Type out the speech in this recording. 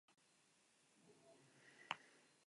Twitter de Paige